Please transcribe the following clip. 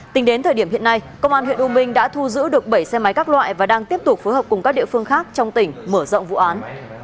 tính đến thời điểm hiện nay công an huyện u minh đã thu giữ được bảy xe máy các loại và đang tiếp tục phối hợp cùng các địa phương khác trong tỉnh mở rộng vụ án